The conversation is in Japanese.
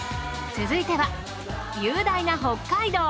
続いては雄大な北海道。